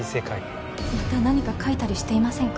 また何か描いたりしていませんか？